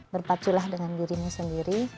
berpaculah dengan dirimu sendiri